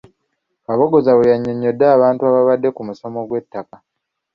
Kaboggoza bwe yannyonnyodde abantu abaabadde ku musomo gw'ettaka.